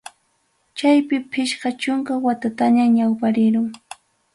Chaypi pichqa chunka watatam ñawparirun.